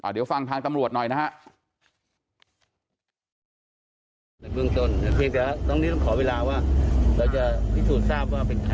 เดี๋ยวฟังทางตำรวจหน่อยนะฮะ